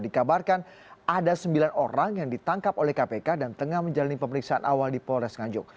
dikabarkan ada sembilan orang yang ditangkap oleh kpk dan tengah menjalani pemeriksaan awal di polres nganjuk